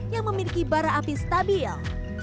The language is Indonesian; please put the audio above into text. yang memiliki bara api stabil